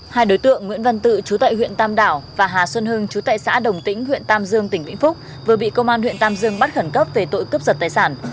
hai đối tượng nguyễn văn tự chú tại huyện tam đảo và hà xuân hưng chú tại xã đồng tĩnh huyện tam dương tỉnh vĩnh phúc vừa bị công an huyện tam dương bắt khẩn cấp về tội cướp giật tài sản